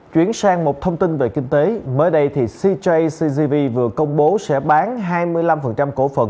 chuyến sang một thông tin về kinh tế mới đây thì cjcgv vừa công bố sẽ bán hai mươi năm cổ phần